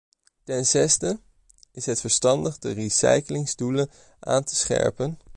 Ten zesde, is het verstandig de recyclingdoelen aan te scherpen?